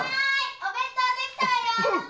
お弁当できたわよ。